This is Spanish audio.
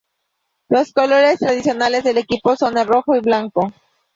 Los colores tradicionales del equipo son el rojo y blanco.